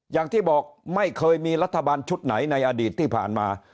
อย่างที่บอกไม่เคยมีรัฐบาลชุดไหนในอดีตที่ผ่านมา